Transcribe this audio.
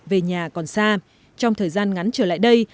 về nhà còn xa trong thời gian ngắn trở lại đây